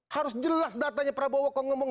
harus jelas datanya prabowo kalau ngomong